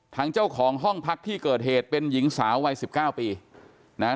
ทางเจ้าของห้องพักที่เกิดเหตุเป็นหญิงสาววัยสิบเก้าปีนะฮะ